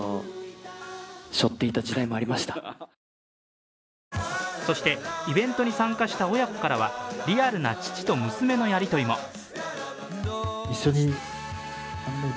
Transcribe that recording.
初めて会ったときの印象についてそして、イベントに参加した親子からはリアルな父と娘のやりとりも。